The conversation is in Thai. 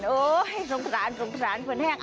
โอ๊ยสงสารผลแห้ง